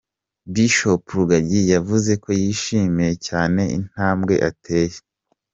Bishop Rugagi yavuze ko yishimiye cyane intambwe ateye.